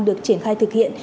được triển khai thực hiện